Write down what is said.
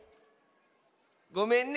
ごめんね